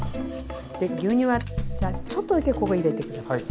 牛乳はちょっとだけここ入れて下さい。